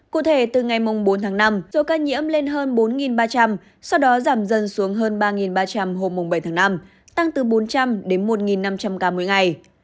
cụ thể từ ngày bốn tháng năm số ca nhiễm lên hơn bốn ba trăm linh sau đó giảm dần xuống hơn ba ba trăm linh hôm bảy tháng năm tăng từ bốn trăm linh đến một năm trăm linh ca mỗi ngày